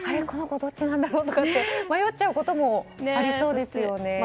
この子どっちなんだろうと迷っちゃうこともありそうですよね。